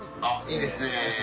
あっ、いいですね。